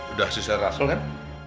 udah susah rasul kan